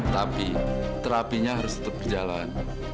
tapi terapinya harus tetap berjalan